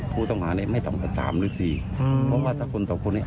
ผู้ต้องหาเนี่ยไม่ต่ำกว่าสามหรือสี่อืมเพราะว่าถ้าคนสองคนนี้